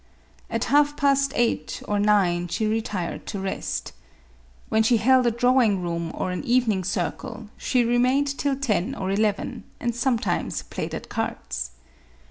At half past eight or nine she retired to rest. When she held a drawing room or an evening circle, she remained till ten or eleven, and sometimes played at cards.